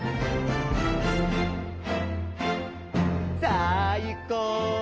「さあいこう！